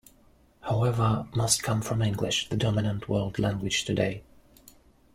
However, most come from English, the dominant world language today.